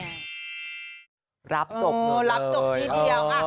รับจบเออรับจบทีเดียว